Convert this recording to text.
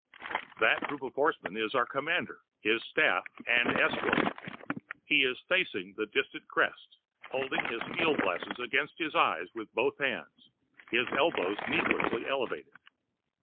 That group of horsemen is our commander, his staff, and escort. He is facing the distant crest, holding his field glass against his eyes with both hands, his elbows needlessly elevated.